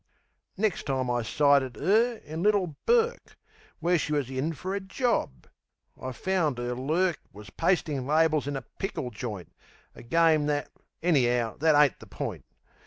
Nex' time I sighted 'er in Little Bourke, Where she was in a job. I found'er lurk Wus pastin' labels in a pickle joint, A game that any'ow, that ain't the point.